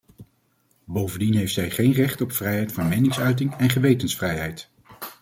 Bovendien heeft zij geen recht op vrijheid van meningsuiting en gewetensvrijheid.